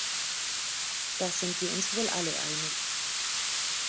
Da sind wir uns wohl alle einig.